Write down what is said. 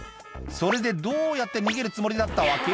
それでどうやって逃げるつもりだったわけ？